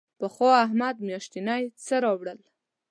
پخوا احمد میاشتنی څه راوړل.